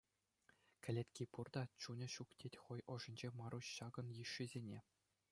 Кӗлетки пур та, чунӗ ҫук тет хӑй ӑшӗнче Маруҫ ҫакӑн йышшисене.